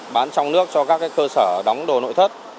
bán trong nước cho các cơ sở đóng đồ nội thất